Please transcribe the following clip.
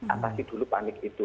atasi dulu panik itu